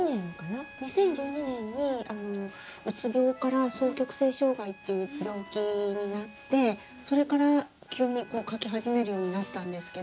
２０１２年にうつ病から双極性障害っていう病気になってそれから急に描き始めるようになったんですけど。